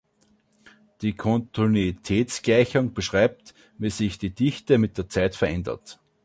Die Kontinuitätsgleichung beschreibt, wie sich die Dichte mit der Zeit verändert.